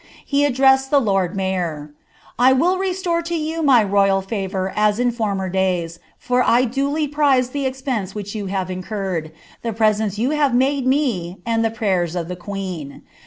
He addressed the lord mayor: —I will restore to you my royal favour as in former days, for I duly prize the expense which you have incurred, the presents you have made me, and the prayers of the queen.